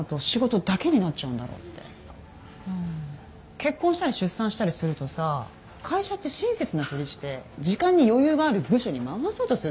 結婚したり出産したりするとさ会社って親切なふりして時間に余裕がある部署に回そうとするじゃん。